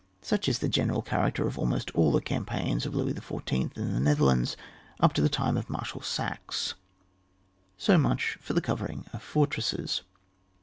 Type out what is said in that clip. Such is the general cha racter of almost all the campaigns of Louis XIY . in the Netherlands up to the time of Marshal Saxe. So much for the covering of fortresses.